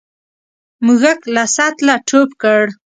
موږک له سطله ټوپ کړ.